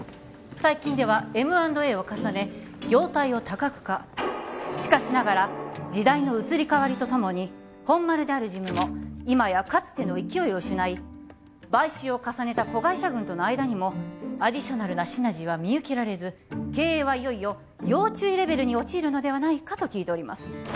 最近ではＭ＆Ａを重ね業態を多角化しかしながら時代の移り変わりとともに本丸であるジムも今やかつての勢いを失い買収を重ねた子会社群との間にもアディショナルなシナジーは見受けられず経営はいよいよ要注意レベルに陥るのではないかと聞いております